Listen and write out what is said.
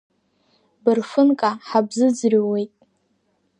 Бырфынка, ҳабзыӡырҩуеит!